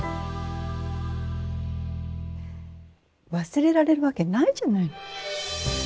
忘れられるわけないじゃないの。